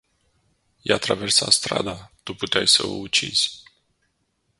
Ea traversa strada, tu puteai sa o ucizi.